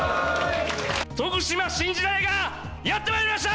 徳島新時代がやってまいりました。